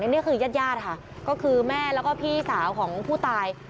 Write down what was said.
นี่คือญาติญาติค่ะก็คือแม่แล้วก็พี่สาวของผู้ตาย